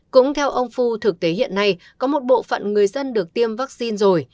cũng theo ông phu thực tế hiện nay có một bộ phận người dân được tiêm vaccine rồi